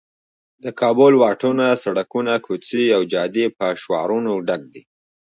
د کابل واټونه، سړکونه، کوڅې او جادې په شعارونو ډک دي.